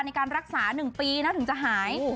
ในการรักษา๑ปีนะถึงจะหาย